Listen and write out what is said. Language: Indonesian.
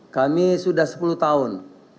kami sudah sepuluh tahun